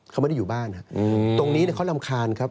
เขาไม่ได้อยู่บ้านตรงนี้เขารำคาญครับ